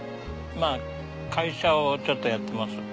まあ会社をちょっとやってます。